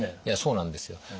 いやそうなんですよ。